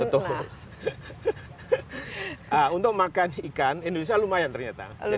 untuk makan ikan indonesia lumayan ternyata